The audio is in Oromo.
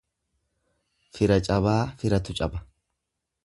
Fira cabaa firatu caba.